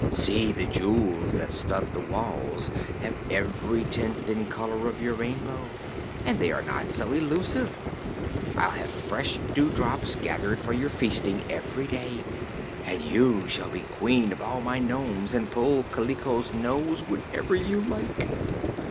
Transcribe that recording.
See! the jewels that stud the walls have every tint and color of your Rainbow and they are not so elusive. I'll have fresh dewdrops gathered for your feasting every day and you shall be Queen of all my nomes and pull Kaliko's nose whenever you like."